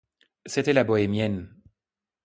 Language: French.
C'était la bohémienne.